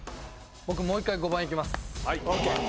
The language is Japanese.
もう１回５番行きます。